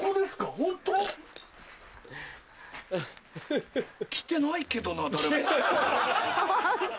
ホント？来てないけどな誰も。